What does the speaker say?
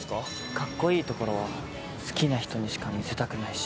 格好いいところは好きな人にしか見せたくないし。